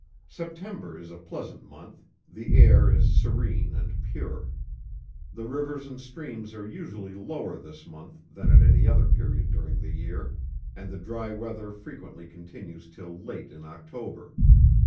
September is a pleasant month: the air is serene and pure. The rivers and streams are usually lower this month than at any other period during the year, and the dry weather frequently continues till late in October.